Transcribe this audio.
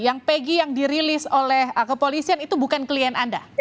yang pegi yang dirilis oleh kepolisian itu bukan klien anda